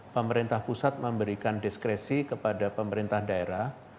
pemerintah pusat memberikan diskresi kepada pemerintah daerah